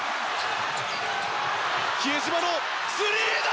比江島のスリーだ！